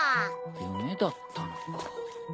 夢だったのか？